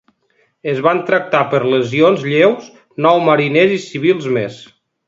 Es van tractar per lesions lleus nou mariners i civils més.